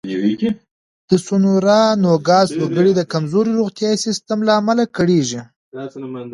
د سونورا نوګالس وګړي د کمزوري روغتیايي سیستم له امله کړېږي.